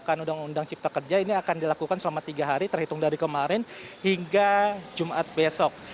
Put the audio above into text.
karena undang undang cipta kerja ini akan dilakukan selama tiga hari terhitung dari kemarin hingga jumat besok